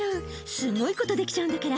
「すごいことできちゃうんだから」